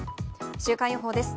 週間予報です。